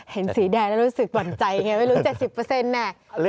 เห็นสีแดงแล้วรู้สึกหวั่นใจไงไม่รู้๗๐แน่